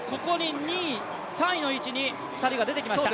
ここに２位、３位の位置に２人が出てきました。